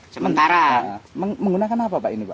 sementara menggunakan apa pak ini pak